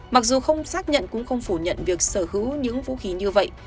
mặc dù không xác nhận cũng không phủ nhận việc sở hữu những vũ khí như vậy